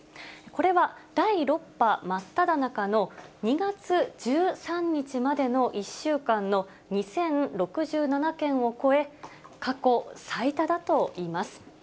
これは第６波真っただ中の２月１３日までの１週間の２０６７件を超え、過去最多だといいます。